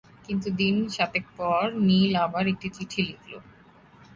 কিন্তু দিন সাতেক পর নীল আবার একটি চিঠি লিখল।